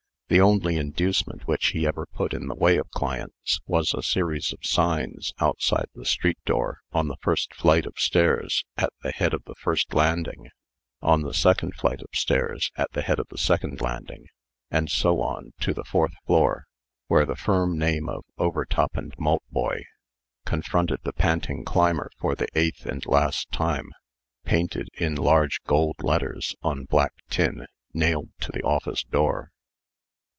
The only inducement which he ever put in the way of clients, was a series of signs, outside the street door, on the first flight of stairs, at the head of the first landing, on the second flight of stairs, at the head of the second landing, and so on to the fourth floor, where the firm name of "Overtop & Maltboy" confronted the panting climber for the eighth and last time, painted in large gold letters on black tin, nailed to the office door.